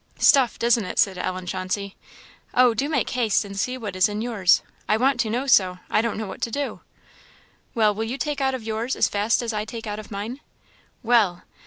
"Stuffed, isn't it?" said Ellen Chauncey. "Oh, do make haste, and see what is in yours. I want to know so, I don't know what to do." "Well, will you take out of yours as fast as I take out of mine?" "Well!"